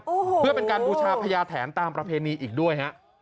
โอ้โหเพื่อเป็นการบูชาพญาแถนตามประเพณีอีกด้วยฮะ